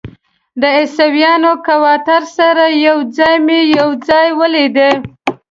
د عیسویانو کوارټر سره یو ځای مې یو ځای ولیدل.